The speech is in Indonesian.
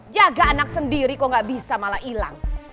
jaga anak sendiri kok gak bisa malah hilang